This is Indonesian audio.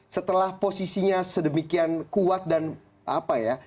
setelah posisinya sedemikian kuat dan apa ya